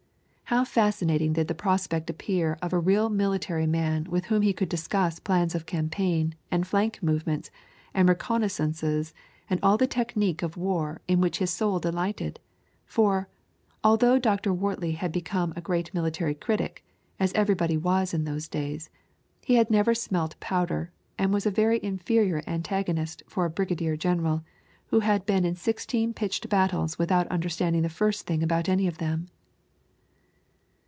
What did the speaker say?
How fascinating did the prospect appear of a real military man with whom he could discuss plans of campaign, and flank movements, and reconnaissances, and all the technique of war in which his soul delighted! For, although Dr. Wortley had become a great military critic, as everybody was in those days, he had never smelt powder, and was a very inferior antagonist for a brigadier general, who had been in sixteen pitched battles without understanding the first thing about any of them.